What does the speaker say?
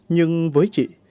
nhưng với chị